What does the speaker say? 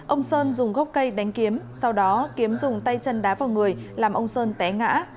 ông sơn dùng gốc cây đánh kiếm sau đó kiếm dùng tay chân đá vào người làm ông sơn té ngã